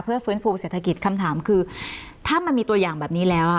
เพื่อฟื้นฟูเศรษฐกิจคำถามคือถ้ามันมีตัวอย่างแบบนี้แล้ว